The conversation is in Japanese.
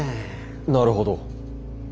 なるほど。